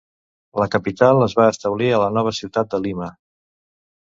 La capital es va establir a la nova ciutat de Lima.